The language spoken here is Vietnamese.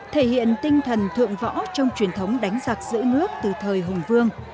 thể hiện tinh thần thượng võ trong truyền thống đánh giặc giữ nước từ thời hùng vương